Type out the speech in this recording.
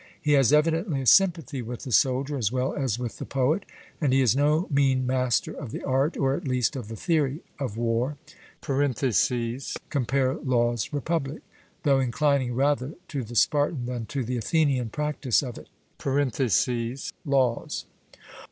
He has evidently a sympathy with the soldier, as well as with the poet, and he is no mean master of the art, or at least of the theory, of war (compare Laws; Republic), though inclining rather to the Spartan than to the Athenian practice of it (Laws).